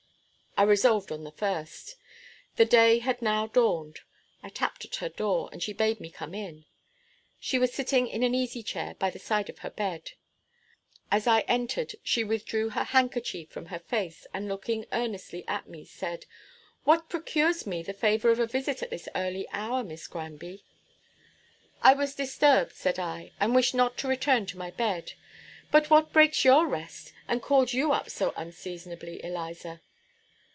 I resolved on the first. The day had now dawned. I tapped at her door, and she bade me come in. She was sitting in an easy chair by the side of her bed. As I entered she withdrew her handkerchief from her face, and, looking earnestly at me, said, "What procures me the favor of a visit at this early hour, Miss Granby?" "I was disturbed," said I, "and wished not to return to my bed. But what breaks your rest, and calls you up so unseasonably, Eliza?"